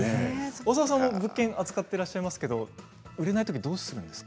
大澤さんも物件を扱っていますけれども売れないときどうするんですか？